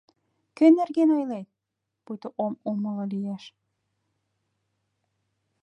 — Кӧн нерген ойлет? — пуйто ом умыло лиеш.